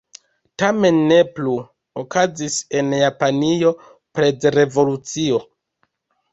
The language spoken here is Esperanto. Tamen ne plu: okazis en Japanio prezrevolucio.